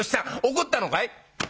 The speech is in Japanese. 怒ったのかい？」。